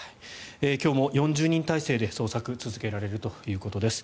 今日も４０人態勢で捜索が続けられるということです。